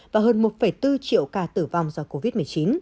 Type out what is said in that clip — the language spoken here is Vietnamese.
và hơn một bốn triệu ca tử vong do covid một mươi chín